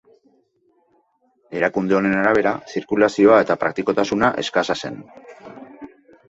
Erakunde honen arabera, zirkulazioa eta praktikotasuna eskasa zen.